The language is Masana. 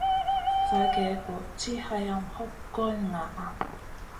Sa gèh-goh tiʼi hayam hoɓ goy ŋaʼa.